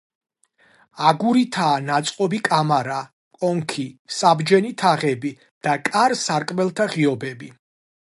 აგურითაა ნაწყობი კამარა, კონქი, საბჯენი თაღები და კარ-სარკმელთა ღიობები.